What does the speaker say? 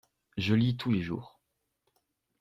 Je lis tous les jours.